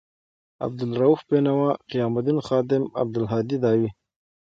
عبدا لروؤف بینوا، قیام الدین خادم، عبدالهادي داوي